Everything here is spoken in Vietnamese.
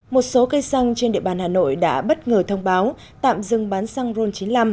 một số cây xăng trên địa bàn hà nội đã bất ngờ thông báo tạm dừng bán xăng ron chín mươi năm